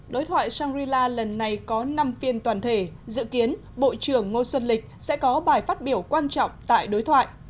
đối thoại shangri la lần này có năm phiên toàn thể dự kiến bộ trưởng ngô xuân lịch sẽ có bài phát biểu quan trọng tại đối thoại